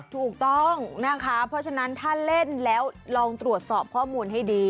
ถูกต้องนะคะเพราะฉะนั้นถ้าเล่นแล้วลองตรวจสอบข้อมูลให้ดี